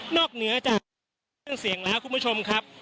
นอกเหนือจะคุณผู้ชมครับ